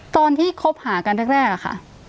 ตอนที่คบหากันแรกอะค่ะ